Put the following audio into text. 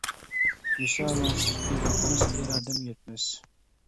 ۋىسالىڭسىز كۈن ئۆتمەس، ئىرادەم يەتمەس!